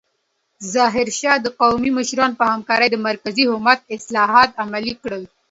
ظاهرشاه د قومي مشرانو په همکارۍ د مرکزي حکومت اصلاحات عملي کړل.